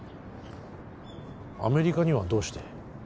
アメリカにはどうして？